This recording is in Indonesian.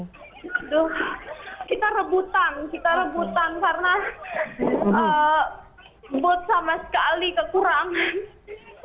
aduh kita rebutan kita rebutan karena bot sama sekali kekurangan